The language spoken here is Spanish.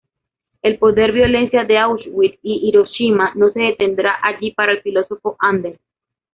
El poder-violencia de Auschwitz y Hiroshima no se detendrá allí para el filósofo Anders.